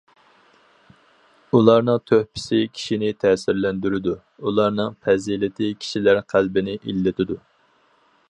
ئۇلارنىڭ تۆھپىسى كىشىنى تەسىرلەندۈرىدۇ، ئۇلارنىڭ پەزىلىتى كىشىلەر قەلبىنى ئىللىتىدۇ.